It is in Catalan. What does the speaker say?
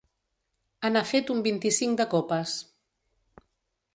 Anar fet un vint-i-cinc de copes.